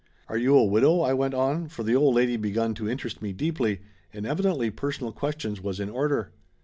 "Are you a widow?" I went on, for the old lady begun to interest me deeply, and evidently personal questions was in order.